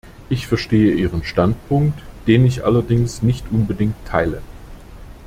Ich verstehe Ihren Standpunkt, den ich allerdings nicht unbedingt teile.